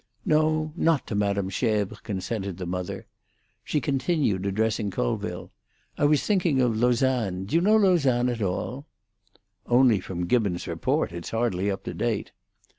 "No, not to Madame Schebres," consented the mother. She continued, addressing Colville: "I was thinking of Lausanne. Do you know Lausanne at all?" "Only from Gibbon's report. It's hardly up to date."